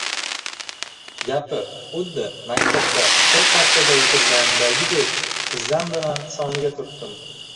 — Gapir! — Xuddi maktabda, bir partada o‘tirgandagidek tizzam bilan soniga turtdim.